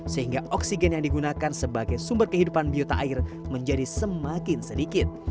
sehingga oksigen yang digunakan sebagai sumber kehidupan biota air menjadi semakin sedikit